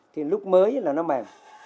thì lúc mới là nó mềm